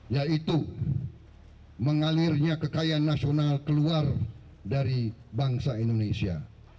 yaitu mengalirnya kekayaan nasional keluar dari bangsa indonesia